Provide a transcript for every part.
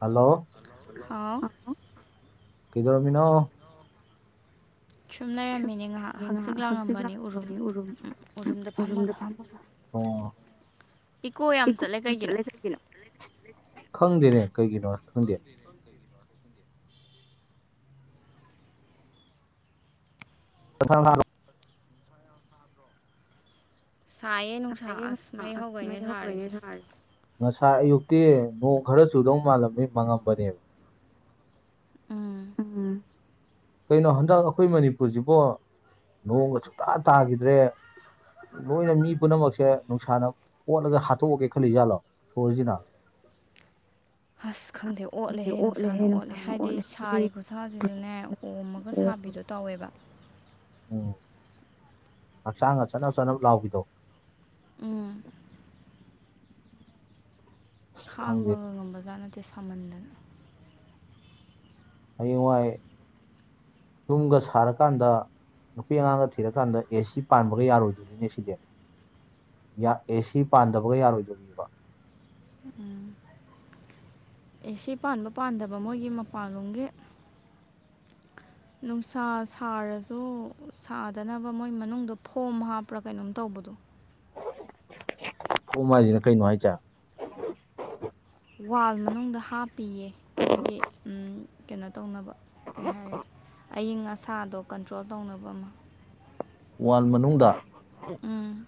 hello ꯍꯥꯎ ꯀꯗꯣꯔ ꯃꯤꯅꯣ ꯁꯨꯝ ꯂꯩꯔꯝꯃꯤꯅꯦ ꯉꯥꯏꯍꯥꯛ ꯍꯛꯆꯛ ꯂꯥꯡꯉꯝꯕꯅꯤ ꯎꯔꯨꯝ ꯎꯔꯨꯝꯗ ꯐꯝꯃꯒ ꯑꯣ ꯏꯀꯣ ꯌꯥꯝ ꯆꯠꯂꯦ ꯀꯩꯒꯤꯅꯣ ꯈꯪꯗꯦꯅꯦ ꯀꯩꯒꯤꯅꯣ ꯈꯪꯗꯦ ꯑ ꯁꯥꯏꯌꯦ ꯅꯨꯡꯁꯥ ꯑꯁ ꯃꯩ ꯍꯧꯈꯩꯅꯦ ꯁꯥꯔꯤꯁꯦ ꯉꯁꯥꯏ ꯑꯌꯨꯛꯇꯤ ꯅꯣꯡ ꯈꯔ ꯆꯨꯗꯧ ꯃꯥꯜꯂꯝꯃꯤ ꯃꯪꯉꯝꯕꯅꯦꯕ ꯎꯝ ꯀꯩꯅꯣ ꯍꯟꯗꯛ ꯑꯩꯈꯣꯏ ꯃꯅꯤꯄꯨꯔꯁꯤꯕꯣ ꯅꯣꯡꯒ ꯁꯨꯡꯇꯥ ꯇꯥꯈꯤꯗ꯭ꯔꯦ ꯂꯣꯏꯅ ꯃꯤ ꯄꯨꯝꯅꯃꯛꯁꯦ ꯅꯨꯡꯁꯥꯅ ꯑꯣꯠꯂꯒ ꯍꯥꯠꯇꯣꯛꯑꯒꯦ ꯈꯜꯂꯤꯖꯥꯠꯂꯣ ꯁꯣꯔꯁꯤꯅ [inaudible] ꯑꯁ ꯈꯪꯗꯦ ꯑꯣꯠꯂꯦꯍꯦ ꯅꯨꯡꯁꯥꯅ ꯑꯣꯠꯂꯦ ꯍꯥꯏꯗꯤ ꯁꯥꯔꯤ ꯈꯨꯠꯁꯥꯁꯤꯁꯨꯅꯦ ꯑꯣꯝꯃꯒ ꯁꯥꯕꯤꯗꯣ ꯇꯧꯋꯦꯕ ꯑ ꯍꯛꯆꯥꯡꯒꯆꯅ ꯆꯠꯅ ꯂꯥꯎꯈꯤꯗꯣ ꯎꯝ ꯑꯁ ꯈꯪꯗꯦ ꯈꯥꯡꯕꯒ ꯉꯝꯕꯖꯥꯠ ꯅꯠꯇꯦ ꯁꯥꯃꯟꯗꯅ ꯍꯌꯦꯡꯋꯥꯏ ꯌꯨꯝꯒ ꯁꯥꯔꯀꯥꯟꯗ ꯅꯨꯄꯤ ꯑꯉꯥꯡꯒ ꯊꯤꯔꯀꯥꯟꯗ ꯑꯦ ꯁꯤ ꯄꯥꯟꯕꯒ ꯌꯥꯔꯣꯏꯗꯣꯔꯤꯅꯦ ꯁꯤꯗꯤ ꯑꯦ ꯁꯤ ꯄꯥꯟꯗꯕꯒ ꯌꯥꯔꯣꯏꯗꯣꯔꯤꯕꯕ ꯑ ꯑꯦ ꯁꯤ ꯄꯥꯟꯕ ꯄꯥꯟꯗꯕ ꯃꯣꯏꯒꯤ ꯃꯄꯥꯟꯂꯣꯝꯒꯤ ꯅꯨꯡꯁꯥ ꯁꯥꯔꯁꯨ ꯁꯥꯗꯅꯕ ꯃꯣꯏ ꯃꯅꯨꯡꯗ ꯐꯣꯝ ꯍꯥꯞꯄ꯭ꯔꯥ ꯀꯩꯅꯣꯝ ꯇꯧꯕꯗꯣ ꯑꯣ ꯃꯥꯁꯤꯅ ꯀꯩꯅꯣ ꯍꯥꯏꯁꯦ ꯋꯥꯜ ꯃꯅꯨꯡꯗ ꯍꯥꯞꯄꯤꯌꯦ ꯃꯣꯏꯒꯤ ꯀꯩꯅꯣ ꯇꯧꯅꯕ ꯀꯩ ꯍꯥꯏꯔ ꯑꯏꯤꯡ ꯑꯁꯥꯗꯣ ꯀꯟꯇ꯭ꯔꯣꯜ ꯇꯧꯅꯕ ꯑꯃ ꯋꯥꯜ ꯃꯅꯨꯡꯗ ꯎꯝ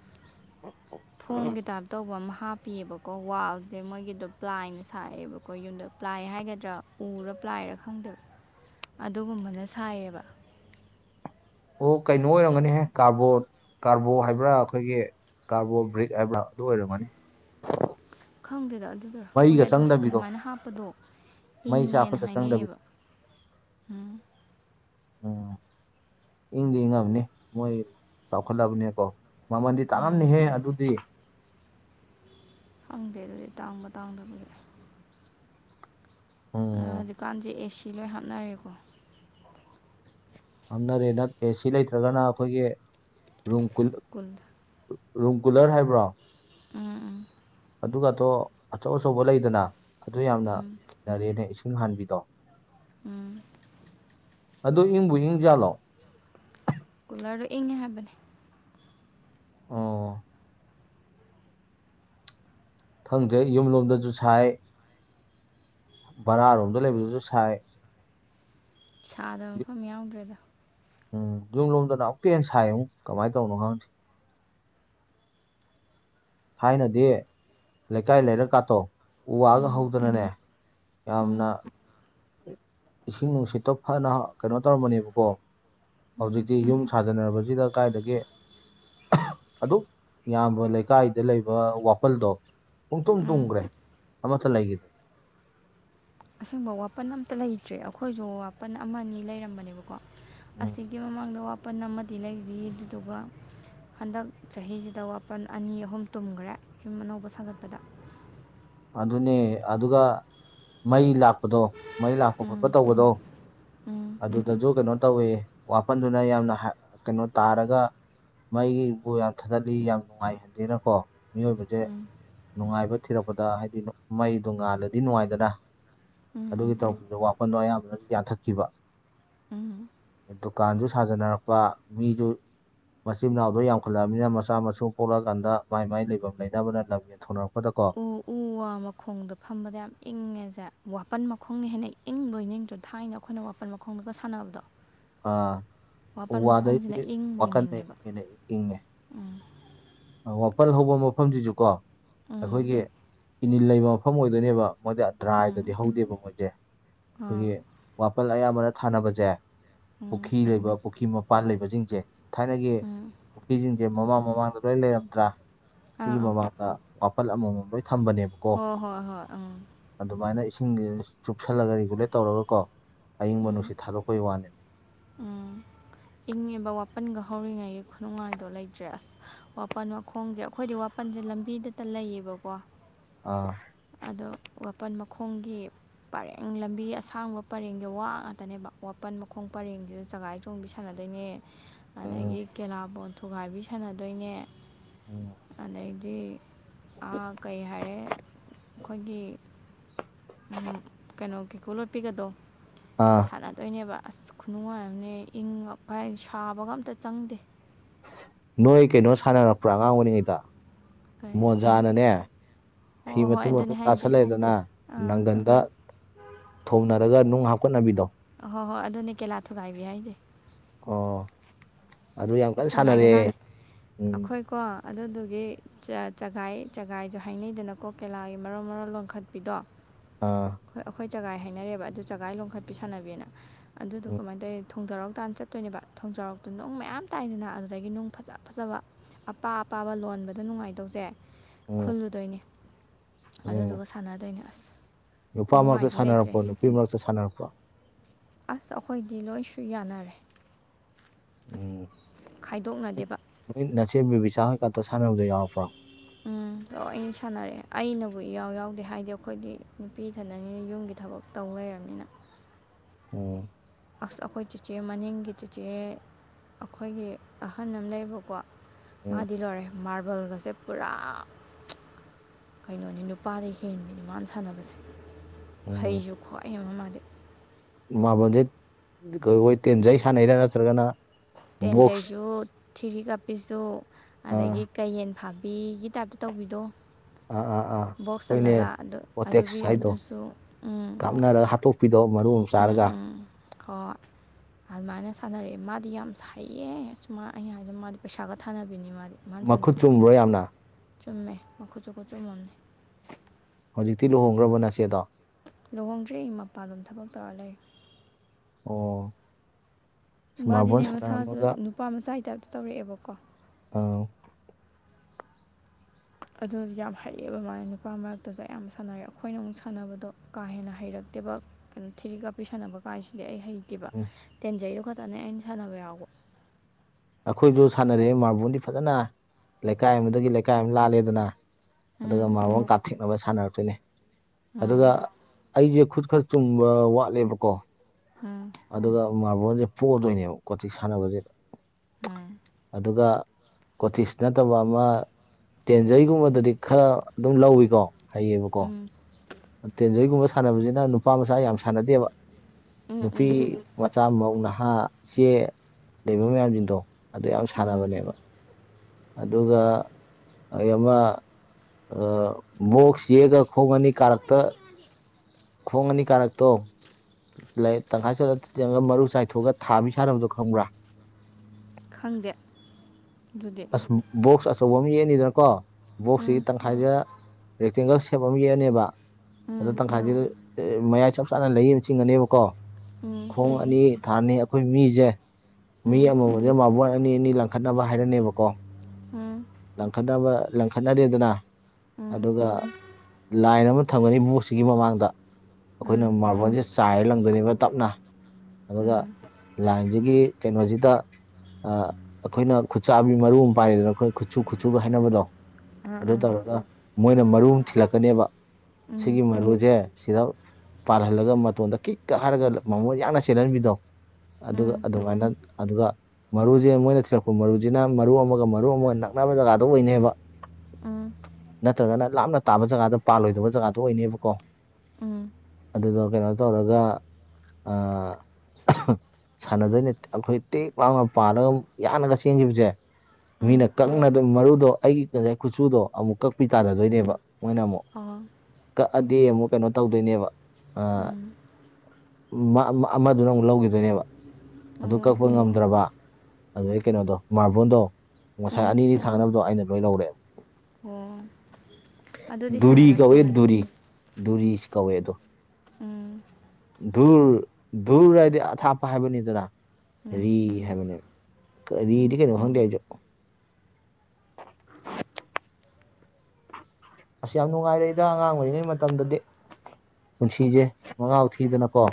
ꯑꯣ ꯊꯣꯡꯒꯤ ꯇꯥꯏꯞ ꯇꯧꯕ ꯑꯃ ꯍꯥꯞꯄꯤꯑꯕꯀꯣ ꯋꯥꯜꯁꯦ ꯃꯣꯏꯒꯤꯗꯣ ꯄ꯭ꯂꯥꯏꯅ ꯁꯥꯏꯑꯦꯕꯀꯣ ꯌꯨꯝꯗ ꯄ꯭ꯂꯥꯏ ꯍꯥꯏꯒꯗ꯭ꯔꯥ ꯎꯔ ꯄ꯭ꯂꯥꯏꯔ ꯈꯪꯗꯕ ꯑꯗꯨꯒꯨꯝꯕꯅ ꯁꯥꯏꯌꯦꯕ ꯑꯣ ꯀꯩꯅꯣ ꯑꯣꯏꯔꯝꯒꯅꯤꯍꯦ ꯀꯥꯔꯕꯣꯠ ꯀꯥꯔꯕꯣ ꯍꯥꯏꯕ꯭ꯔꯥ ꯑꯩꯈꯣꯏꯒꯤ ꯀꯥꯔꯕꯣꯕ꯭ꯔꯤꯛ ꯍꯥꯏꯕ꯭ꯔꯥ ꯑꯗꯨ ꯑꯣꯏꯔꯝꯃꯅꯤ ꯈꯪꯗꯦꯗ ꯑꯗꯨꯗꯨ ꯃꯣꯏ ꯃꯩꯒ ꯑꯗꯨ ꯆꯪꯗꯕꯤꯗꯣ ꯑꯗꯨꯃꯥꯏꯅ ꯍꯥꯞꯄꯗꯣ ꯃꯩ ꯍꯤꯡꯉꯦꯅ ꯆꯥꯛꯄꯗ ꯆꯪꯗꯕꯤꯗꯣ ꯍꯥꯏꯅꯩꯌꯦꯕ ꯎꯝ ꯎꯝ ꯏꯪꯗꯤ ꯏꯪꯉꯕꯅꯤ ꯃꯣꯏ ꯆꯥꯎꯈꯠꯂꯕꯅꯦꯀꯣ ꯃꯃꯜꯗꯤ ꯎꯝ ꯇꯥꯡꯅꯝꯅꯤꯍꯦ ꯑꯗꯨꯗꯤ ꯐꯪꯗꯦ ꯑꯗꯨꯗꯤ ꯇꯥꯡꯕ ꯇꯥꯡꯗꯕꯗꯤ ꯑ ꯎꯝ ꯍꯧꯖꯤꯛꯀꯥꯟꯁꯦ ꯑꯦꯁꯤ ꯂꯣꯏ ꯍꯥꯞꯅꯔꯦꯀꯣ ꯍꯥꯝꯅꯔꯦ ꯅ ꯑꯦꯁꯤ ꯂꯩꯇ꯭ꯔꯒꯅ ꯑꯩꯈꯣꯏꯒꯤ ꯔꯨꯝ ꯀꯨꯜ ꯀꯨꯜꯗ ꯔꯨꯝ ꯀꯨꯂꯔ ꯍꯥꯏꯕ꯭ꯔꯣ ꯎꯝ ꯎꯝ ꯑꯗꯨꯒꯗꯣ ꯑꯆꯧ ꯑꯆꯧꯕ ꯂꯩꯗꯅ ꯑꯗꯨ ꯌꯥꯝꯅ ꯎꯝ ꯈꯦꯅꯔꯦꯅꯦ ꯏꯁꯤꯡ ꯍꯥꯟꯕꯤꯗꯣ ꯎꯝ ꯑꯗꯨ ꯏꯪꯕꯨ ꯏꯪꯖꯥꯠꯂꯣ ꯀꯨꯂꯔꯗꯨꯣ ꯏꯪꯅꯦ ꯍꯥꯏꯕꯅꯦ ꯑꯣ ꯐꯪꯗ꯭ꯔꯩ ꯌꯨꯝ ꯂꯣꯝꯗꯁꯨ ꯁꯥꯏ ꯕꯔꯥꯔꯣꯝꯗ ꯂꯩꯕꯗꯨꯁꯨ ꯁꯥꯏ ꯁꯥꯗꯕ ꯃꯐꯝ ꯌꯥꯎꯗ꯭ꯔꯦꯗ ꯎꯝ ꯌꯨꯝ ꯂꯣꯝꯗꯅ ꯑꯃꯨꯛꯀ ꯍꯦꯟ ꯁꯥꯏ ꯑꯃꯨꯛ ꯀꯃꯥꯏꯅ ꯇꯧꯅꯣ ꯈꯪꯁꯦ ꯊꯥꯏꯅꯗꯤ ꯂꯩꯀꯥꯏ ꯂꯩꯔ ꯀꯥꯠꯇꯣ ꯎ ꯋꯥꯒ ꯎꯝ ꯍꯧꯗꯅꯅꯦ ꯌꯥꯝꯅ ꯎꯝ ꯏꯁꯤꯡ ꯅꯨꯡꯁꯤꯠꯇꯣ ꯐꯅ ꯀꯩꯅꯣ ꯇꯧꯔꯝꯕꯅꯦꯕꯀꯣ ꯎꯝ ꯍꯧꯖꯤꯛꯇꯤ ꯌꯨꯝ ꯁꯥꯖꯅꯔꯕꯁꯤꯗ ꯀꯥꯏꯗꯒꯤ ꯑ ꯑꯗꯨ ꯌꯥꯝꯕ ꯂ ꯂꯩ ꯀꯀꯥꯏꯗ ꯂꯩꯕ ꯋꯥꯄꯜꯗꯣ ꯄꯨꯡꯇꯨꯝ ꯎꯝ ꯇꯨꯝꯈ꯭ꯔꯦ ꯑꯃꯠꯇ ꯂꯩꯈꯤꯗꯦ ꯑꯁꯦꯡꯕ ꯋꯥꯄꯟ ꯑꯝꯇ ꯂꯩꯇ꯭ꯔꯦ ꯑꯩꯈꯣꯏꯁꯨ ꯋꯥꯄꯟ ꯑꯃ ꯑꯅꯤ ꯂꯩꯔꯝꯕꯅꯦꯕꯀꯣ ꯎꯝ ꯑꯁꯤꯒꯤ ꯃꯃꯥꯡꯗ ꯋꯥꯄꯟ ꯑꯃꯗꯤ ꯂꯩꯔꯤ ꯑꯗꯨꯗꯨꯒ ꯍꯟꯗꯛ ꯆꯍꯤꯁꯤꯗ ꯋꯥꯄꯜ ꯑꯅꯤ ꯑꯍꯨꯝ ꯇꯨꯝꯈ꯭ꯔꯦ ꯌꯨꯝ ꯑꯅꯧꯕ ꯁꯥꯒꯠꯄꯗ ꯑꯗꯨꯅꯦ ꯑꯗꯨꯒ ꯃꯩ ꯂꯥꯛꯄꯗꯣ ꯃꯩ ꯂꯥꯛꯄ ꯈꯣꯠꯄ ꯎꯝ ꯇꯧꯕꯗꯣ ꯎꯝ ꯑꯗꯨꯗꯁꯨ ꯀꯩꯅꯣ ꯇꯧꯋꯦ ꯋꯥꯄꯜꯗꯨꯅ ꯌꯥꯝꯅ ꯀꯩꯅꯣ ꯇꯥꯔꯒ ꯃꯩꯕꯨ ꯌꯥꯝ ꯊꯥꯗꯠꯂꯤ ꯌꯥꯝ ꯅꯨꯡꯉꯥꯏꯍꯟꯗꯦꯅꯀꯣ ꯃꯤꯑꯣꯏꯕꯁꯦ ꯎꯝ ꯅꯨꯡꯉꯥꯏꯕ ꯊꯤꯔꯛꯄꯗ ꯍꯥꯏꯗꯤ ꯃꯩꯗꯣ ꯉꯥꯜꯂꯗꯤ ꯅꯨꯡꯉꯥꯏꯗꯅ ꯎꯝ ꯑꯗꯨꯒꯤ ꯎꯝ ꯇꯧꯔꯛꯄꯗ ꯋꯥꯄꯟꯗꯣ ꯑꯌꯥꯝꯕꯅꯁꯨ ꯌꯥꯟꯊꯠꯈꯤꯕ ꯎꯝ ꯗꯨꯀꯥꯟꯁꯨ ꯁꯥꯖꯅꯔꯛꯄ ꯃꯤꯗꯨ ꯃꯆꯤꯟ ꯃꯅꯥꯎꯗꯣ ꯌꯥꯝꯈꯠꯂꯛꯕꯃꯤꯅ ꯃꯆꯥ ꯃꯁꯨ ꯄꯣꯛꯂꯛꯑꯀꯥꯟꯗ ꯃꯥꯏ ꯃꯥꯏ ꯂꯩꯐꯝ ꯂꯩꯅꯕꯅ ꯂꯝ ꯌꯦꯟ ꯊ ꯊꯣꯛꯅꯔꯛꯄ ꯎꯝ ꯎ ꯋꯥ ꯃꯈꯣꯡꯗꯣ ꯐꯝꯕꯗ ꯌꯥꯝ ꯏꯪꯉꯦꯁꯦ ꯋꯥꯄꯟ ꯃꯈꯣꯡꯅꯤ ꯍꯦꯟꯅ ꯏꯪꯗꯣꯏ ꯏꯗ꯭ꯔꯣ ꯊꯥꯏꯅ ꯑꯩꯈꯣꯏꯅ ꯑꯄꯟ ꯃꯈꯣꯡꯗꯒ ꯁꯥꯟꯅꯕꯗꯣ ꯑ ꯎ ꯋꯥꯄꯟ ꯃꯈꯣꯡꯁꯤꯅ ꯋꯥꯗꯩꯗꯤ ꯏꯪꯕꯣꯏ ꯅꯤꯡꯉꯦꯕ ꯋꯥꯈꯟꯗꯅꯦ ꯏꯪꯉꯦ ꯎꯝ ꯋꯥꯄꯜ ꯍꯧꯕ ꯃꯐꯝꯁꯤꯁꯨ ꯀꯣ ꯎꯝ ꯑꯩꯈꯣꯏꯒꯤ ꯏꯅꯤꯜ ꯂꯩꯕ ꯃꯐꯝ ꯑꯣꯏꯗꯣꯏꯅꯦꯕ ꯃꯣꯏꯗꯤ ꯑꯗ꯭ꯔꯥꯏꯗꯗꯤ ꯎꯝ ꯍꯧꯗꯦꯕ ꯃꯣꯏꯁꯦ ꯑꯥ ꯑꯩꯈꯣꯏꯒꯤ ꯋꯥꯄꯜ ꯑꯌꯥꯝꯕꯅ ꯊꯥꯅꯕꯁꯦ ꯎꯝ ꯄꯨꯈ꯭ꯔꯤ ꯂꯩꯕ ꯄꯨꯈ꯭ꯔꯤ ꯃꯄꯥꯟ ꯂꯩꯕꯁꯤꯡꯁꯦ ꯊꯥꯏꯅꯒꯤ ꯎꯝ ꯄꯨꯀꯤꯁꯤꯡꯁꯦ ꯃꯃꯥꯡ ꯃꯃꯥꯡꯗ ꯂꯣꯏ ꯂꯩꯔꯝꯗ꯭ꯔꯥ ꯁꯤꯒꯤ ꯑꯥ ꯑꯥ ꯃꯃꯥꯡꯗ ꯋꯥꯈꯜ ꯑꯃꯃꯝ ꯂꯣꯏ ꯊꯝꯕꯅꯦꯕ ꯍꯣꯏ ꯍꯣꯏ ꯍꯣꯏ ꯎꯝ ꯑꯗꯨꯃꯥꯏꯅ ꯏꯁꯤꯡ ꯆꯨꯞꯁꯜꯂꯒ ꯔꯤꯒꯨꯂꯦꯠ ꯇꯧꯔꯒꯀꯣ ꯑꯌꯪꯕ ꯎꯝ ꯅꯨꯡꯁꯤꯠ ꯊꯥꯗꯣꯛꯄꯩ ꯋꯥꯅꯤ ꯎꯝ ꯏꯪꯉꯦꯕ ꯋꯥꯄꯟꯒ ꯍꯧꯔꯤꯉꯩꯒꯤ ꯈꯨꯅꯨꯡꯉꯥꯏꯗꯣ ꯂꯩꯇ꯭ꯔꯦ ꯑꯁ ꯋꯥꯄꯟ ꯋꯥꯈꯣꯡꯁꯦ ꯑꯩꯈꯣꯏꯗꯤ ꯋꯥꯄꯜꯁꯦ ꯂꯝꯕꯤꯗꯇ ꯂꯩꯌꯦꯕꯀꯣ ꯑꯥ ꯑꯗꯣ ꯋꯥꯄꯟ ꯃꯈꯣꯡꯒꯤ ꯄꯔꯦꯡ ꯂꯝꯕꯤ ꯑꯁꯥꯡꯕ ꯄꯔꯦꯡꯗ ꯋꯥ ꯉꯥꯛꯇꯅꯦꯕ ꯋꯥꯄꯟ ꯃꯈꯣꯡ ꯄꯔꯦꯡꯗꯨꯗ ꯖꯒꯥꯏ ꯆꯣꯡꯕꯤꯁꯦ ꯁꯥꯟꯅꯗꯣꯏꯅꯦ ꯎꯝ ꯑꯗꯒꯤ ꯀꯦꯂꯥꯄꯣꯟ ꯊꯨꯒꯥꯏꯕꯤ ꯁꯥꯟꯅꯗꯣꯏꯅꯦ ꯎꯝ [unintelligible] ꯍꯥꯏꯗꯤ ꯀꯩ ꯍꯥꯏꯔꯦ ꯑꯩꯈꯣꯏꯒꯤ ꯎꯝ ꯀꯩꯅꯣ ꯀꯩꯀꯣ ꯂꯣꯠꯄꯤꯒꯗꯣ ꯑꯥ ꯀꯥꯟꯅꯗꯣꯏꯅꯦꯕ ꯑꯁ ꯈꯨꯅꯨꯡ ꯑꯣꯏꯔꯕꯝꯅꯦ ꯏꯪꯀ ꯁꯥꯕꯒ ꯑꯝꯇ ꯆꯪꯗꯦ ꯅꯣꯏ ꯀꯩꯅꯣ ꯁꯥꯟꯅꯔꯛꯄ꯭ꯔꯥ ꯑꯉꯥꯡ ꯑꯣꯏꯔꯤꯉꯩꯗ ꯀꯩ ꯃꯣꯟꯖꯥꯅꯅꯦ ꯐꯤ ꯍꯣꯏ ꯍꯣꯏ ꯃꯇꯨꯝ ꯃꯇ ꯑꯗꯨꯅꯦ ꯍꯥꯏꯁꯦ ꯇꯥꯁꯜꯂꯛꯦꯗꯅ ꯑꯥ ꯅꯪꯒꯟꯗ ꯊꯣꯡꯅꯔꯒ ꯅꯨꯡ ꯍꯥꯞꯀꯠꯅꯕꯤꯗꯣ ꯍꯣꯏ ꯍꯣꯏ ꯑꯗꯨ ꯅ ꯀꯦꯂꯥ ꯊꯨꯒꯥꯏꯕꯤꯌ ꯍꯥꯏꯁꯦ ꯑꯣ ꯑꯗꯨ ꯌꯥꯝ ꯑꯁ ꯀꯟꯅ ꯁꯥꯟꯅꯔꯛꯑꯦ ꯅꯨꯡꯉꯥꯏꯒꯖꯥꯠꯅꯤ ꯎꯝ ꯑꯩꯈꯣꯏꯀꯣ ꯑꯗꯨꯗꯨꯒꯤ ꯆꯒꯥꯏ ꯆꯒꯥꯏꯁꯨ ꯍꯥꯏꯅꯩꯗꯅꯀꯣ ꯀꯦꯂꯥꯒꯤ ꯃꯔꯣꯟ ꯃꯔꯣꯟ ꯂꯣꯟꯈꯠꯄꯤꯗꯣ ꯑꯥ ꯍꯣꯏ ꯑꯩꯈꯣꯏ ꯆꯒꯥꯏ ꯍꯥꯏꯅꯔꯦꯕ ꯑꯗꯨ ꯆꯖꯒꯥꯏ ꯂꯣꯝꯈꯠꯄꯤ ꯁꯥꯟꯅꯕꯤꯅ ꯑꯗꯨꯗꯣ ꯎꯝ ꯀꯃꯥꯏꯅ ꯇꯧꯋ ꯊꯣꯡꯖꯔꯧ ꯇꯥꯟꯅ ꯆꯠꯇꯣꯏꯅꯦꯕ ꯊꯣꯡꯖꯥꯎꯔꯣꯛꯛꯇꯨ ꯅꯨꯡ ꯃꯌꯥꯝ ꯇꯥꯏꯗꯅ ꯑꯗꯨꯗꯒꯤ ꯅꯨꯡ ꯐꯖ ꯐꯖꯕ ꯑꯄꯥ ꯑꯄꯥꯕ ꯂꯣꯟꯕꯗ ꯅꯨꯡꯉꯥꯏꯇꯧꯁꯦ ꯎꯝ ꯈꯨꯜꯂꯨꯗꯣꯏꯅꯦ ꯎꯝ ꯑꯗꯨꯗꯨꯒ ꯁꯥꯟꯅꯗꯣꯏꯅꯦ ꯑꯁ ꯅꯨꯄꯥ ꯃꯔꯛꯇ ꯈꯨꯅꯨꯡꯉꯥꯏꯗꯤ ꯂꯩꯇ꯭ꯔꯦ ꯁꯥꯟꯅꯔꯛꯄꯣ ꯅꯨꯄꯤ ꯃꯔꯛꯇ ꯁꯥꯟꯅꯔꯛꯄ꯭ꯔꯣ ꯑꯁ ꯑꯩꯈꯣꯏꯗꯤ ꯂꯣꯏꯁꯨ ꯌꯥꯅꯔꯦ ꯎꯝ ꯈꯥꯏꯗꯣꯛꯅꯗꯦꯕ ꯅꯃꯤꯠ ꯅꯆꯦ ꯕꯦꯕꯤꯆꯥ ꯍꯣꯏ ꯀꯥꯇ ꯁꯥꯟꯅꯕꯗ ꯌꯥꯎꯔꯕ꯭ꯔꯥ ꯑꯩꯅ ꯁꯥꯟꯅꯔꯛꯑꯦ ꯑꯩꯅꯕꯨ ꯏꯌꯥꯎ ꯌꯥꯎꯗꯦ ꯍꯥꯏꯗꯤ ꯑꯩꯈꯣꯏꯗꯤ ꯅꯨꯄꯤ ꯊꯅꯉꯅ ꯌꯨꯝꯒꯤ ꯊꯕꯛ ꯇꯧ ꯂꯩꯔꯕꯃꯤꯅ ꯑꯣ ꯑꯁ ꯑꯩꯈꯣꯏ ꯆꯤꯆꯦ ꯃꯅꯤꯡꯒꯤ ꯆꯤꯆꯦ ꯑꯩꯈꯣꯏꯒꯤ ꯑꯍꯜ ꯑꯃ ꯂꯩꯕꯀꯣ ꯎꯝ ꯃꯥꯗꯤ ꯂꯣꯔꯦ ꯃꯔꯕꯜꯒꯁꯦ ꯄꯨꯔꯥ ꯀꯩꯅꯣꯅꯤ ꯅꯨꯄꯥꯗꯩ ꯍꯦꯟꯕꯅꯤ ꯃꯥꯅ ꯁꯥꯟꯅꯕꯁꯦ ꯍꯩꯁꯨ ꯈ꯭ꯋꯥꯏ ꯃ ꯃꯥꯗꯤ ꯃꯥꯃꯜꯁꯦ ꯀ ꯑꯩꯈꯣꯏ ꯇꯦꯟꯖꯩ ꯁꯥꯟꯅꯩꯔꯥ ꯅꯠꯇ꯭ꯔꯒꯅ ꯇꯦꯟ ꯕꯣꯛꯁ ꯆꯩꯥꯏꯁꯨ ꯊꯤꯔꯤ ꯀꯥꯞꯄꯤꯁꯨ ꯑꯥ ꯑꯗꯒꯤ ꯀꯩꯌꯦꯟ ꯐꯥꯕꯤꯒꯤ ꯇꯥꯏꯞꯇ ꯇꯧꯕꯤꯗꯣ ꯑꯥ ꯑꯥ ꯑꯥ ꯕꯣꯛꯁ ꯍꯣꯏꯅꯦ ꯆꯜꯂꯒ ꯑꯗꯨꯒꯤ ꯑꯗꯨꯁꯨ ꯎꯝ ꯍꯥꯣꯛ ꯅꯨꯄꯤꯗꯣ ꯃꯔꯨ ꯎꯝ ꯆꯥꯔꯒ ꯎꯝ ꯍꯣꯏ ꯑꯗꯨꯃꯥꯏꯅ ꯁꯥꯟꯅꯔꯛꯑꯦ ꯃꯥꯗꯤ ꯌꯥꯝ ꯁꯩꯌꯦ ꯁꯨꯃꯥꯏꯅ ꯑ ꯍꯥꯏꯗ ꯃꯥꯗꯤ ꯄꯩꯁꯥꯒ ꯊꯥꯟꯅꯕꯤꯅꯤ ꯃꯥꯗꯤ ꯃꯥꯅ ꯃꯈꯨꯠ ꯁꯥꯟꯅꯩꯁꯦ ꯆꯨꯝꯕ꯭ꯔꯣ ꯌꯥꯝꯅ ꯆꯨꯝꯃꯦ ꯃꯈꯨꯠꯁꯨ ꯈꯨꯠ ꯆꯨꯝꯃꯣꯟꯃꯦ ꯍꯧꯖꯤꯛꯇꯤ ꯂꯨꯍꯣꯡꯈ꯭ꯔꯕ ꯅꯁꯦꯗꯣ ꯂꯨꯍꯣꯡꯗ꯭ꯔꯦ ꯑꯩ ꯃꯄꯥꯟ ꯑꯗꯨꯝ ꯊꯕꯛ ꯇꯧꯔ ꯂꯩ ꯑꯣ ꯃꯥꯔꯕꯣꯜ ꯄꯥꯗꯤꯅꯦ ꯃꯁꯥꯁꯨ ꯁꯥꯟꯅꯔꯝꯃꯒ ꯅꯨꯄꯥ ꯃꯆꯥꯒꯤ ꯇꯥꯏꯞꯇ ꯇꯧꯔꯛꯑꯦꯕꯀꯣ ꯄꯥꯎ ꯑꯗꯨ ꯌꯥꯝ ꯍꯩꯑꯕ ꯃꯥꯅ ꯅꯨꯄꯥ ꯃꯔꯛꯇꯁꯨ ꯑꯌꯥꯝꯕ ꯁꯥꯟꯅꯔꯦ ꯑꯩꯈꯣꯏꯅ ꯑꯃꯨꯛ ꯁꯥꯟꯅꯕꯗꯣ ꯀꯥ ꯍꯦꯟꯅ ꯍꯩꯔꯛꯇꯦꯕ ꯀꯩꯅꯣ ꯊ꯭ꯔꯤ ꯀꯥꯞꯄꯤ ꯁꯥꯟꯅꯕ ꯀꯥꯟꯁꯤꯗꯤ ꯑꯩ ꯍꯩꯇꯦꯕ ꯎꯝ ꯇꯦꯟꯖꯩꯗꯣ ꯈꯛꯇꯅꯦ ꯑꯩꯅ ꯁꯥꯟꯅꯕ ꯌꯥꯎꯕ ꯑꯩꯈꯣꯏꯁꯨ ꯁꯥꯟꯅꯔꯛꯦ ꯃꯥꯔꯕꯣꯜꯗꯤ ꯐꯖꯅ ꯂꯩꯀꯥꯏ ꯑꯃꯗꯒꯤ ꯂꯩꯀꯥꯏ ꯑꯃ ꯂꯥꯜꯂꯦꯗꯅ ꯎꯝ ꯑꯗꯨꯒ ꯃꯔꯑꯣꯣꯡ ꯀꯥꯞꯊꯦꯛꯅꯕ ꯁꯥꯟꯅꯔꯛꯇꯣꯏꯅꯦ ꯎꯝ ꯑꯗꯨꯒ ꯑꯩꯁꯦ ꯈꯨꯠ ꯈꯔ ꯆꯨꯝꯕ ꯋꯥꯠꯂꯦꯕꯀꯣ ꯎꯝ ꯑꯗꯨꯒ ꯃꯥꯔꯕꯣꯜꯁꯦ ꯄꯣꯗꯣꯏꯅꯦꯕ ꯀꯣꯆꯤꯛ ꯁꯥꯟꯅꯕꯁꯤꯗ ꯍꯝ ꯑꯗꯨꯒ ꯀꯣꯇꯤꯁ ꯅꯠꯇꯕ ꯑꯃ ꯇꯦꯟꯖꯔꯤꯒꯨꯝꯕꯗꯗꯤ ꯈꯔ ꯑꯗꯨꯝ ꯂꯧꯋꯀꯣ ꯍꯩꯌꯦꯕꯀꯣ ꯎꯝ ꯇꯦꯟꯖꯣꯏꯒꯨꯝꯕ ꯁꯥꯟꯅꯕꯁꯤꯅ ꯅꯨꯄꯥ ꯃꯆꯥ ꯌꯥꯝ ꯁꯥꯟꯅꯗꯦꯕ ꯎꯝ ꯅꯨꯄꯤ ꯎꯝ ꯃꯆꯥ ꯃꯧ ꯅꯍꯥ ꯏꯆꯦ ꯂꯩꯕ ꯃꯌꯥꯝꯁꯤꯡꯗꯣ ꯑꯗꯨ ꯌꯥꯝ ꯎꯝ ꯁꯥꯟꯅꯕꯅꯦꯕ ꯑꯗꯨꯒ ꯑꯩ ꯑꯃ ꯕꯣꯛꯁ ꯌꯦꯛꯒ ꯈꯣꯡꯉꯅꯤ ꯀꯥꯔꯛꯇ ꯈꯣꯡꯉꯅꯤ ꯀꯥꯔꯛꯇꯣ ꯂꯩ ꯇꯪꯈꯥꯏ ꯆꯠꯂ ꯆꯡꯉꯒ ꯃꯔꯨ ꯆꯥꯏꯊꯣꯛꯑꯒ ꯊꯥꯃꯤ ꯁꯥꯟꯅꯕꯗꯣ ꯈꯪꯕ꯭ꯔꯥ ꯈꯪꯗꯦ ꯑꯗꯨꯗꯤ ꯑꯁ ꯕꯣꯛꯁ ꯑꯆꯧꯕ ꯑꯃ ꯌꯦꯡꯅꯤꯗꯅꯀꯣ ꯎꯝ ꯕꯣꯛꯁꯁꯤ ꯇ ꯍꯥꯏꯗ ꯔꯦꯛꯇꯦꯡꯒꯜ ꯁꯦꯞ ꯑꯃ ꯌꯦꯛꯑꯅꯦꯕ ꯎꯝ ꯑꯗꯨꯗꯣ ꯇꯪꯈꯥꯁꯤꯗ ꯃꯌꯥꯏ ꯆꯞ ꯆꯥꯅ ꯂꯩ ꯑꯃ ꯆꯤꯡꯉꯅꯦꯕꯀꯣ ꯎꯝ ꯈꯣꯡ ꯑꯅꯤ ꯊꯥꯅꯤ ꯑꯩꯈꯣꯏ ꯃꯤꯁꯦ ꯃꯤ ꯎꯝ ꯑꯃꯕꯨꯗꯤ ꯃꯥꯕꯣꯟ ꯑꯅꯤ ꯑꯅꯤ ꯂꯪꯈꯠꯅꯕ ꯍꯥꯏꯔꯅꯦꯕꯀꯣ ꯎꯝ ꯂꯪꯈꯠꯅꯕ ꯂꯪꯈꯠꯅꯔꯤꯦ ꯑꯗꯨꯅ ꯎꯝ ꯎꯝ ꯎꯝ ꯑꯗꯨꯒ ꯂꯥꯏꯟ ꯑꯃ ꯊꯝꯒꯅꯤ ꯕꯣꯛꯛꯁꯤꯒꯤ ꯃꯃꯥꯡꯗ ꯑꯩꯈꯣꯏꯅ ꯎꯝ ꯃꯥꯔꯕꯜꯁꯦ ꯆꯥꯏꯔ ꯂꯪꯗꯣꯏꯅꯦꯕ ꯇꯞꯅ ꯑꯗꯨꯒ ꯂꯥꯏꯟꯁꯤꯒꯤ ꯀꯩꯅꯣꯁꯤꯗ ꯑꯩꯈꯣꯏꯅ ꯈꯨꯠꯁꯆꯥꯕꯤ ꯃꯔꯨ ꯑꯃ ꯄꯥꯏꯔꯤꯗꯅ ꯑꯩꯈꯣꯏ ꯈꯨꯠꯁꯨ ꯈꯨꯠꯁꯨꯒ ꯍꯥꯏꯅꯕꯗꯣ ꯑꯗꯨ ꯇꯧꯔꯒ ꯃꯣꯏꯅ ꯃꯔꯨꯝ ꯊꯤꯜꯂꯛꯀꯅꯦꯕ ꯁꯤꯒꯤ ꯃꯔꯨꯁꯦ ꯁꯤꯗ ꯄꯥꯜꯍꯜꯂꯒ ꯃꯇꯣꯟꯗ ꯀꯤꯛꯀ ꯍꯥꯏꯔꯒ ꯃꯃꯣꯟ ꯌꯥꯝꯅ ꯆꯦꯜꯍꯟꯕꯤꯗꯣ ꯑꯗꯨꯒ ꯑꯗꯨꯃꯥꯏꯅ ꯑꯗꯨꯒ ꯃꯔꯨꯁꯦ ꯃꯣꯏꯅ ꯊꯤꯜꯂꯛꯄ ꯃꯔꯨꯁꯤꯅ ꯃꯔꯨ ꯑꯃꯒ ꯃꯔꯨ ꯑꯃꯒ ꯅꯛꯅꯕ ꯖꯒꯥꯗ ꯑꯣꯏꯅꯅꯦꯕ ꯎꯝ ꯎꯝ ꯅꯠꯇ꯭ꯔꯒꯅ ꯂꯥꯞꯅ ꯇꯥꯕ ꯖꯒꯥꯗꯣ ꯄꯥꯜꯂꯣꯏꯗꯕ ꯖꯒꯥꯗꯣ ꯑꯣꯏꯅꯦꯕꯀꯣ ꯎꯝ ꯑꯗꯨꯗ ꯀꯩꯅꯣ ꯇꯧꯔꯒ ꯁꯥꯟꯅꯗꯣꯏꯅꯦ ꯑꯩꯈꯣꯏ ꯇꯦꯛ ꯂꯥꯎꯅ ꯄꯥꯜꯂꯒ ꯑꯃ ꯌꯥꯅꯒ ꯆꯦꯟꯈꯤꯕꯁꯦ ꯎꯝ ꯃꯤꯅ ꯀꯛꯅꯗ ꯃꯔꯨꯗꯣ ꯑꯩꯒꯤ ꯉꯁꯥꯏ ꯈꯨꯆꯨꯗꯣ ꯑꯃꯨꯛ ꯀꯛ ꯇ ꯄꯄꯤ ꯇꯥꯅꯗꯣꯏꯅꯦꯕ ꯃꯣꯏꯅ ꯑꯃꯨꯛ ꯑꯣ ꯀꯛꯑꯗꯤ ꯑꯃꯨꯛ ꯀꯩꯅꯣ ꯇꯧꯗꯣꯏꯅꯦꯕ ꯑ ꯑꯃꯗꯨꯅ ꯑꯃꯨꯛ ꯂꯧꯈꯤꯗꯣꯏꯅꯦꯕ ꯑꯗꯨ ꯑꯣ ꯀꯛꯄ ꯉꯝꯗ꯭ꯔꯕ ꯑꯗꯨꯗꯒꯤ ꯀꯩꯅꯣꯗꯣ ꯃꯥꯔꯕꯣꯣꯟꯗꯣ ꯉꯁꯥꯏ ꯎꯝ ꯑꯅꯤꯅꯤ ꯊꯥꯅꯕꯗꯣ ꯑꯩꯅ ꯂꯣꯏ ꯂꯧꯔꯛꯑꯦꯕ ꯑꯣ ꯑꯗꯨꯗꯤ ꯁꯥꯟꯅꯔꯛꯇꯦꯍ ꯔꯤꯁ ꯀꯧꯋꯦꯗꯣ ꯎꯝ ꯙꯨꯔ ꯙꯨꯔ ꯍꯥꯏꯗꯤ ꯑꯊꯥꯞꯄ ꯍꯥꯏꯕꯅꯤꯗꯅ ꯎꯝ ꯔꯤ ꯍꯥꯏꯕꯅꯦ ꯎꯝ ꯔꯔꯤꯗꯤ ꯀꯅꯤꯣꯌꯥ ꯍꯥꯏꯖꯣ ꯑꯁ ꯌꯥꯝ ꯅꯨꯡꯉꯥꯏꯔꯛꯏꯗ ꯑꯉꯥꯡ ꯑꯣꯏꯔꯤꯉꯩ ꯃꯇꯝꯗꯗꯤ ꯄꯨꯟꯁꯤꯁꯦ ꯃꯉꯥꯎ ꯊꯤꯗꯅꯀꯣ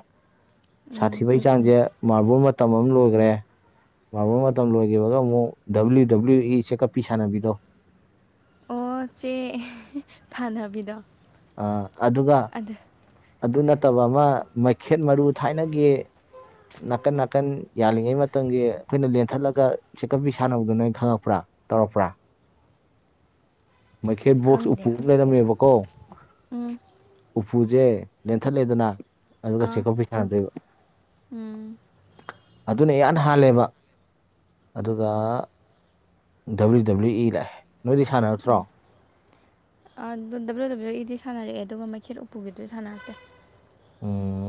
ꯎꯝ ꯁꯥꯊꯤꯕꯩꯒꯤꯆꯥꯡꯁꯦ ꯃꯥꯔꯕꯜ ꯃꯇꯝ ꯑꯃ ꯂꯣꯏꯈ꯭ꯔꯦ ꯃꯕ ꯃꯇꯝ ꯂꯣꯏꯈꯤꯕꯒ ꯑꯃꯨꯛ ꯗꯕ꯭ꯂꯤꯎ ꯗꯕ꯭ꯂꯤꯎ ꯏ ꯆꯦꯛꯀꯞꯄꯤ ꯁꯥꯟꯅꯕꯤꯗꯣ ꯑꯣ ꯆꯦ ꯊꯥꯟꯅꯕꯤꯗꯣ ꯑ ꯑꯗꯨꯒ ꯑꯗ ꯑꯗꯨ ꯅꯠꯇꯕ ꯑꯃ ꯃꯩꯈꯦꯠ ꯃꯔꯨ ꯊꯥꯏꯅꯒꯤ ꯅꯥꯀꯟ ꯅꯥꯀꯟ ꯌꯥꯜꯂꯤꯉꯩ ꯃꯇꯝꯒꯤ ꯑꯩꯈꯣꯏꯅ ꯂꯦꯟꯊꯠꯂꯒ ꯆꯦꯛꯀꯞꯄꯤ ꯁꯥꯟꯅꯕꯗꯨꯅ ꯑꯩꯅ ꯈꯪꯉꯛꯄ꯭ꯔꯥ ꯇꯔꯄ꯭ꯔꯥ ꯃꯩꯈꯦꯠ ꯕꯣꯛꯁ ꯈꯪꯗꯦ ꯎꯄꯨ ꯑꯃ ꯂꯩꯔꯝꯃꯦꯕꯀꯣ ꯎꯝ ꯎꯄꯨꯁꯦ ꯂꯦꯟꯊꯠꯂꯦꯗꯅ ꯑꯗꯨꯒ ꯑꯥ ꯆꯦꯛꯀꯧꯄꯤ ꯁꯥꯟꯅꯗꯣꯏꯕ ꯎꯝ ꯑꯗꯨꯅ ꯏꯍꯥꯟ ꯍꯥꯜꯂꯦꯕ ꯑꯗꯨꯒ ꯗꯕ꯭ꯂꯤꯎ ꯗꯕ꯭ꯂꯤꯎ ꯏ ꯂꯥꯛꯑꯦ ꯅꯣꯏꯗꯤ ꯁꯥꯟꯅꯔꯛꯇ꯭ꯔꯣ ꯗꯕ꯭ꯂꯤꯎ ꯗꯕ꯭ꯂꯤꯎ ꯏꯗꯤ ꯁꯥꯟꯅꯔꯛꯑꯦ ꯑꯗꯨꯒ ꯃꯩꯈꯦꯠ ꯎꯄꯨꯒꯤꯗꯨꯗꯤ ꯁꯥꯟꯅꯔꯛꯇꯦ ꯎꯝ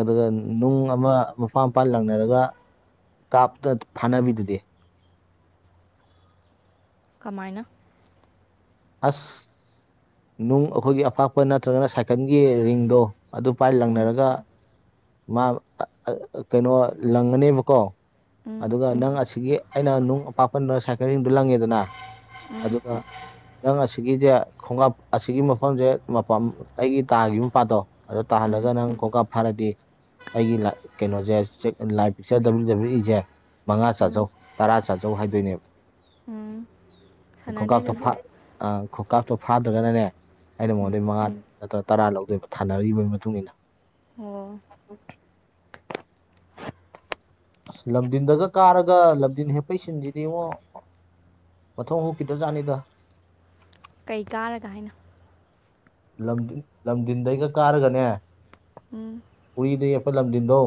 ꯑꯗꯨꯒ ꯅꯨꯡ ꯑꯃ ꯃꯄꯥꯥꯟ ꯃꯄꯥꯥꯟ ꯂꯪꯅꯔꯒ ꯀꯥꯞꯇꯅ ꯐꯥꯅꯕꯤꯗꯨꯗꯤ ꯀꯃꯥꯏꯅ ꯑꯁ ꯅꯨꯡ ꯑꯩꯈꯣꯏꯒꯤ ꯑꯄꯥꯛꯄ ꯅꯠꯇ꯭ꯔꯒꯅ ꯁꯥꯏꯀꯜꯒꯤ ꯔꯤꯡꯗꯣ ꯑꯗꯨ ꯄꯥꯏ ꯎꯝ ꯂꯪꯅꯔꯒ ꯃꯥ ꯀꯩꯅꯣ ꯂꯪꯉꯅꯦꯕꯀꯣ ꯎꯝ ꯑꯗꯨꯒ ꯅꯪ ꯑꯁꯤꯒꯤ ꯑꯩꯅ ꯅꯨꯡ ꯑꯄꯥꯛꯄꯟꯗꯨ ꯁꯥꯏꯀꯂꯤꯡꯗꯨꯣ ꯂꯪꯉꯦꯗꯅ ꯎꯝ ꯑꯗꯨꯒ ꯅꯪ ꯑꯁꯤꯒꯤꯁꯦ ꯈꯣꯡꯉꯞ ꯑꯁꯤꯒꯤ ꯃꯐꯝꯁꯦ ꯑꯩꯒꯤ ꯇꯥꯈꯤꯕ ꯃꯄꯥꯗꯣ ꯑꯗꯣ ꯇꯥꯍꯜꯂꯒ ꯎꯝ ꯅꯪ ꯀꯣꯡꯀꯥꯞ ꯐꯥꯔꯗꯤ ꯑꯩꯒꯤ ꯀꯩꯅꯣꯁꯦ ꯂꯥꯏ ꯄꯤꯛꯆꯗꯛꯏꯁꯦ ꯃꯉꯥ ꯆꯥꯖꯧ ꯎꯝ ꯇꯔꯥ ꯆꯥꯖꯧ ꯍꯥꯏꯗꯣꯏꯅꯦꯕ ꯎꯝ ꯁꯥꯟꯅꯗꯦ ꯀꯣꯀ ꯑꯗꯨꯗ ꯇꯣꯐꯥ ꯑ ꯈꯣꯀꯥ ꯇꯣ ꯐꯥꯠ ꯅꯠꯇ꯭ꯔꯒꯅꯅꯦ ꯑꯩꯅ ꯎꯝ ꯃꯉꯣꯟꯗꯩ ꯃꯉꯥ ꯅꯠꯇ꯭ꯔ ꯇꯔꯥ ꯂꯧꯗꯣꯏꯕ ꯊꯥꯅꯔꯤꯕꯒꯤ ꯃꯇꯨꯡ ꯏꯟꯅ ꯑꯣ ꯎ ꯑꯁ ꯂꯝꯗꯤꯟꯗꯒ ꯀꯥꯔꯒ ꯂꯝꯗꯤꯟ ꯍꯦꯛꯄꯩ ꯁꯤꯟꯁꯤꯗꯤ ꯏꯉꯣ ꯃꯊꯣꯡ ꯍꯨꯛꯀꯤꯈꯤ꯭ꯔ ꯖꯠꯅꯤꯗ ꯀꯩ ꯀꯥꯔꯒ ꯍꯥꯏꯅ ꯂꯝ ꯂꯝꯗꯤꯟꯗꯩꯒ ꯀꯥꯔꯒꯅꯦ ꯎꯝ ꯎꯔꯤꯗꯩ ꯌꯥꯐꯠ ꯂꯝꯖꯤꯟꯗꯣ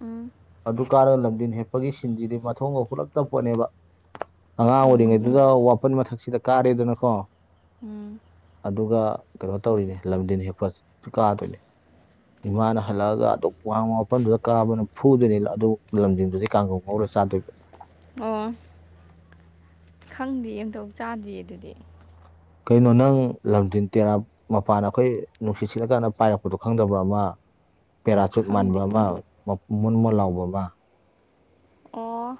ꯎꯝ ꯑꯗꯨ ꯀꯥꯔꯒ ꯂꯝꯗꯤꯟ ꯍꯦꯞꯄꯒꯤ ꯁꯤꯟꯁꯤꯗꯤ ꯃꯊꯣꯡꯒ ꯄꯨꯂꯞꯛꯇ ꯄꯣꯠꯅꯦꯕ ꯑꯉꯥꯡ ꯎꯝ ꯑꯣꯏꯔꯤꯉꯩꯗꯨꯗ ꯋꯥꯄꯟ ꯃꯊꯛꯁꯤꯗ ꯀꯥꯔꯦꯗꯅꯀꯣ ꯎꯝ ꯑꯗꯨꯒ ꯀꯩꯅꯣ ꯇꯧꯔꯤꯅꯦ ꯂꯝꯗꯤꯟ ꯍꯦꯛꯄ ꯀꯥꯗꯣꯏꯅꯦ ꯏꯃꯥꯅ ꯍꯜꯂꯛꯑꯒ ꯑꯗꯨ ꯋꯥꯡꯕ ꯃꯐꯝꯗꯨꯗ ꯀꯥꯕꯅ ꯐꯨꯗꯣꯏꯅꯤ ꯑꯗꯨ ꯂꯝꯖꯤꯡꯗꯨꯗꯤ ꯀꯥꯡꯒꯧ ꯉꯧꯔ ꯆꯥꯗꯣꯏ ꯑꯣ ꯈꯪꯗꯦ ꯑꯝꯇꯧ ꯆꯥꯗꯦ ꯑꯗꯨꯗꯤ ꯀꯩꯅꯣ ꯅꯪ ꯂꯝꯖꯦꯟ ꯇꯦꯔꯥ ꯃꯄꯥꯟꯅ ꯑꯩꯈꯣꯏ ꯅꯨꯡꯁꯤꯠ ꯁꯤꯠꯂꯀꯥꯟꯗ ꯄꯥꯏꯔꯛꯄꯗꯣ ꯈꯪꯗꯕ ꯑꯃ ꯄꯦꯔꯥꯁꯨꯨꯠ ꯃꯥꯟꯕ ꯈꯪꯗꯦ ꯑꯃ ꯃꯨꯟ ꯃꯨꯟ ꯂꯥꯎꯕ ꯑꯃ ꯑꯣ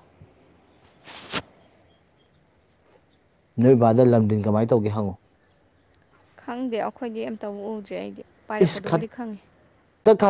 ꯅꯣꯏ ꯕꯥꯗ ꯂꯝꯗꯤꯟ ꯀꯃꯥꯏ ꯇꯧꯒꯦ ꯍꯪꯉꯨ ꯈꯪꯗꯦ ꯑꯩꯈꯣꯏꯗꯤ ꯑꯝꯇꯧꯕ ꯎꯗ꯭ꯔꯦ ꯑꯩꯗꯤ ꯏꯁ ꯈ ꯄꯥꯏꯔꯛꯄꯗꯨꯕꯨꯗꯤ ꯈꯪꯉꯤ ꯈꯗꯛ